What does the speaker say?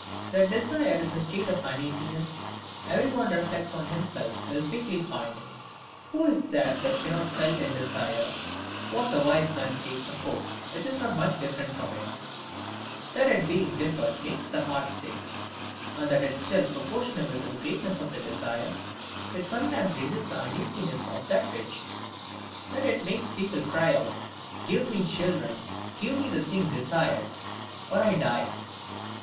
That desire is a state of uneasiness, every one who reflects on himself will quickly find. Who is there that has not felt in desire what the wise man says of hope, (which is not much different from it,) that it being 'deferred makes the heart sick'; and that still proportionable to the greatness of the desire, which sometimes raises the uneasiness to that pitch, that it makes people cry out, 'Give me children,' give me the thing desired, 'or I die.